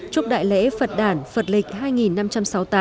chúc đại lễ phật đàn phật lịch